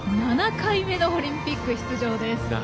７回目のオリンピック出場です。